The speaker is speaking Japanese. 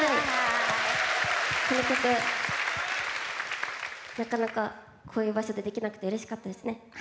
この曲、なかなかこういう場所でできなくてうれしかったですね。